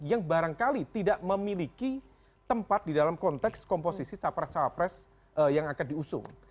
yang barangkali tidak memiliki tempat di dalam konteks komposisi capres capres yang akan diusung